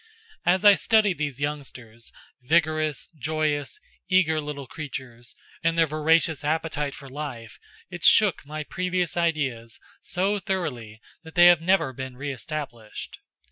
As I studied these youngsters, vigorous, joyous, eager little creatures, and their voracious appetite for life, it shook my previous ideas so thoroughly that they have never been re established.